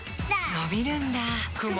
のびるんだ